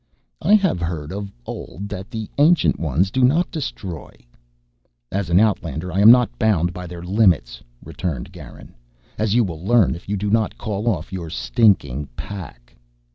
"I have heard of old that the Ancient Ones do not destroy " "As an outlander I am not bound by their limits," returned Garin, "as you will learn if you do not call off your stinking pack."